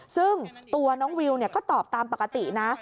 ซึ่งตัวน้องวิวก็ตอบตามปกตินะ